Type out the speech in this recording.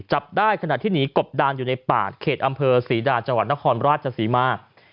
จับได้ขณะที่หนีกบดานอยู่ในป่าเขตอำเภอศรีดาจังหวัดนครราชศรีมา